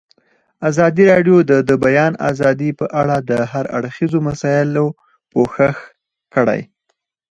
ازادي راډیو د د بیان آزادي په اړه د هر اړخیزو مسایلو پوښښ کړی.